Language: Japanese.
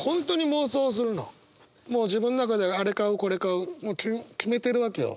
もう自分の中であれ買うこれ買う決めてるわけよ。